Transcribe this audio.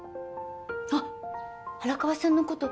あっ荒川さんのこと